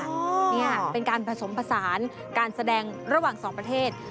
นี่เป็นการผสมผสานการแสดงระหว่างสองประเทศ